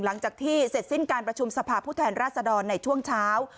หลังจากที่เสร็จสิ้นการประชุมสภาพผู้แทนราชดรในช่วงเช้า